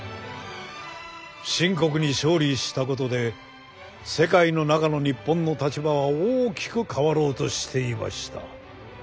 清国に勝利したことで世界の中の日本の立場は大きく変わろうとしていました。